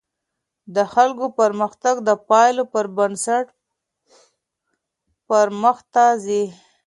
د خلګو پرمختګ د پایلو پر بنسټ پرمخته ځي.